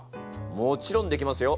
もちろんできますよ。